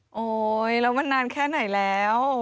โอ๊ยแล้วมันนานแค่ไหนแล้ว